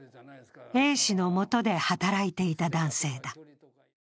Ａ氏のもとで働いていた男性だ。